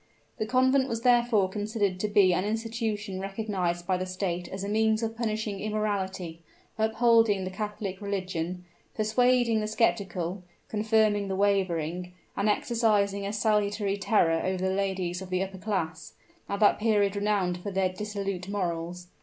The convent was therefore considered to be an institution recognized by the state as a means of punishing immorality, upholding the Catholic religion, persuading the skeptical, confirming the wavering, and exercising a salutary terror over the ladies of the upper class, at that period renowned for their dissolute morals.